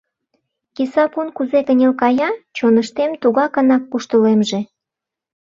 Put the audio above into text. Киса пун кузе кынел кая, чоныштем тугакынак куштылемже.